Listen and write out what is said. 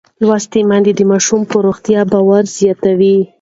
لوستې میندې د ماشوم پر روغتیا باور زیاتوي.